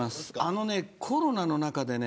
コロナの中でね